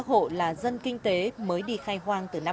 nhưng mà chính quyền làm là kheo quang là năm bảy mươi sáu